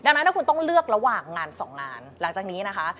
ดังนั้นถ้าคุณต้องเลือกระหว่างงานสองงานหลังจากนี้นะคะ